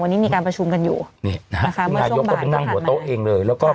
วันนี้มีการประชุมกันอยู่นะคะเมื่อช่วงบ่ายก็ถัดมา